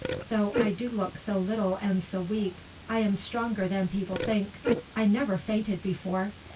Though I do look so little and so weak, I am stronger than people think; I never fainted before.